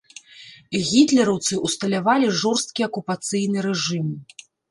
Гітлераўцы ўсталявалі жорсткі акупацыйны рэжым.